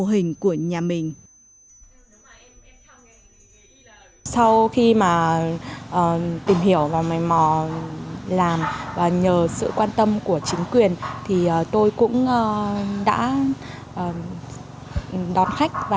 thế nhưng người dân nơi đây vẫn nghèo cái nghèo cứ đeo bám từ đời khác